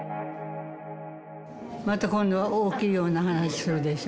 また今度、大きいような話するでしょ？